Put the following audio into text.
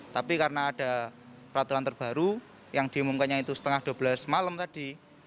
tapi karena ada peraturan terbaru yang diumumkannya itu setengah dua belas malam tadi